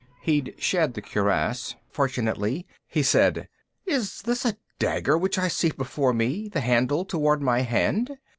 He'd shed the cuirass, fortunately. He said, "Is this a dagger which I see before me, the handle toward my hand?"